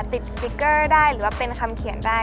สติ๊กเกอร์ได้หรือว่าเป็นคำเขียนได้